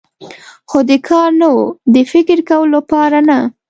خو د کار نه و، د فکر کولو لپاره نه.